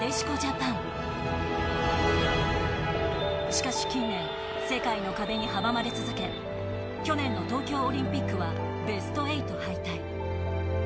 しかし近年世界の壁に阻まれ続け去年の東京オリンピックはベスト８敗退。